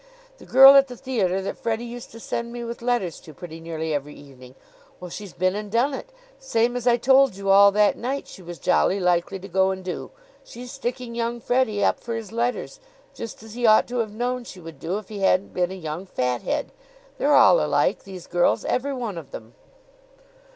The girl at the theater that Freddie used to send me with letters to pretty nearly every evening. Well, she's been and done it, same as I told you all that night she was jolly likely to go and do. She's sticking young Freddie up for his letters, just as he ought to have known she would do if he hadn't been a young fathead. They're all alike, these girls every one of them."